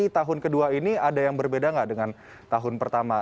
tahun kedua ini ada yang berbeda nggak dengan tahun pertama